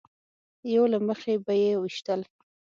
یو له مخې به یې ویشتل.